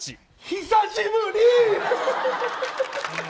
久しぶり！